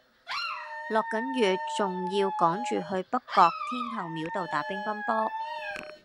落緊雨仲要趕住去北角天后廟道打乒乓波